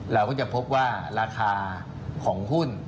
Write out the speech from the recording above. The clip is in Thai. เราก็จะพบว่าราคาของหุ้น